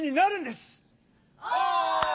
お！